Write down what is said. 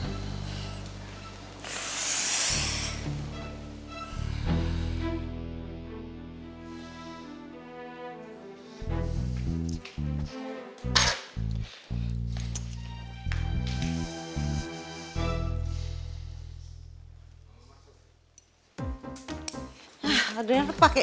nah adriana kepake